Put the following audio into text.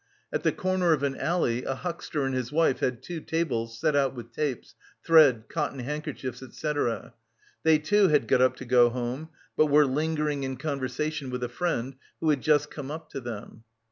At the corner of an alley a huckster and his wife had two tables set out with tapes, thread, cotton handkerchiefs, etc. They, too, had got up to go home, but were lingering in conversation with a friend, who had just come up to them.